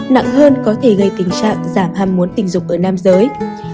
nặng hơn có thể gây tình trạng giảm ham muốn tình dục ở nam giới